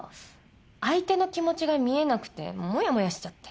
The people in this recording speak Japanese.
相手の気持ちが見えなくてモヤモヤしちゃって。